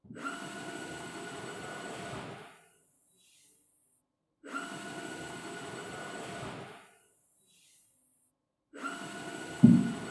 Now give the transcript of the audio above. Ssenfuka yategeezezza bannamawulire eggulo e Makerere, nti afuna essimu ezimutiisatiisa